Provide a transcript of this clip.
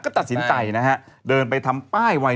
ก็ตัดสินใจนะฮะเดินไปทำป้ายวัย